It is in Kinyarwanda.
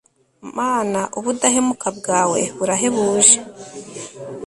mana, ubudahemuka bwawe burahebuje